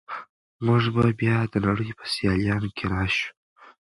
موږ به بیا د نړۍ په سیالانو کې راشو.